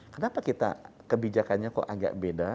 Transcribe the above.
kenapa kita kebijakannya kok agak beda